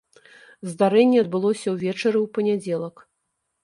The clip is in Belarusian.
Здарэнне адбылося ўвечары ў панядзелак.